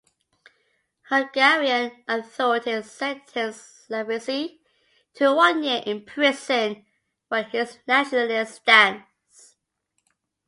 Hungarian authorities sentenced Slavici to one year in prison for his nationalist stance.